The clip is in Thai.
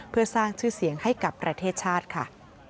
เพื่อสร้างชื่อเสียงให้กับประเทศชาติค่ะ